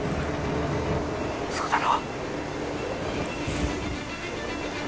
そうだろ？